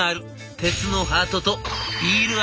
鉄のハートとビール愛がね！」。